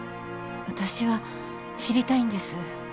私は知りたいんです。